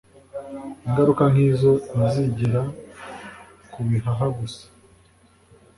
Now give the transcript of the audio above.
Ingaruka nkizo ntizigera ku bihaha gusa